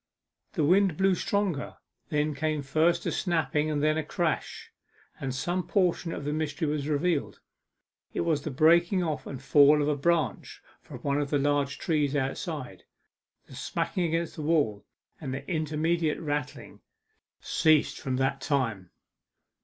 The wind blew stronger; there came first a snapping, then a crash, and some portion of the mystery was revealed. It was the breaking off and fall of a branch from one of the large trees outside. The smacking against the wall, and the intermediate rattling, ceased from that time.